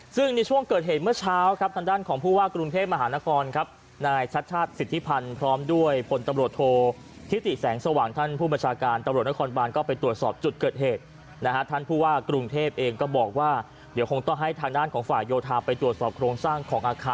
ซึ่งในช่วงเกิดเหตุเมื่อเช้าครับทางด้านของผู้ว่ากรุงเทพมหานครครับนายชัดชาติสิทธิพันธ์พร้อมด้วยพลตำรวจโทษทิติแสงสว่างท่านผู้บัญชาการตำรวจนครบานก็ไปตรวจสอบจุดเกิดเหตุนะฮะท่านผู้ว่ากรุงเทพเองก็บอกว่าเดี๋ยวคงต้องให้ทางด้านของฝ่ายโยธาไปตรวจสอบโครงสร้างของอาคาร